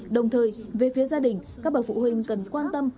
đồng thời về phía gia đình các bậc phụ huynh cần quan tâm